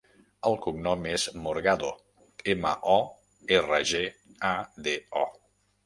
El cognom és Morgado: ema, o, erra, ge, a, de, o.